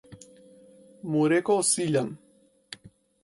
му рекол Силјан.